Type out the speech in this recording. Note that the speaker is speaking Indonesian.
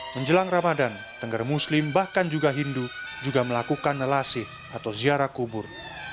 menjelang ramadan tengger muslim bahkan juga hindu juga melakukan nelasih atau ziarah kubur